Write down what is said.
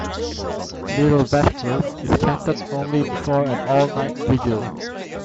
Little Vespers is chanted only before an All-Night Vigil.